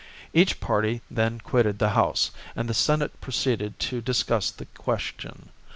Each party then quitted the House, and the Senate proceeded to discuss the question.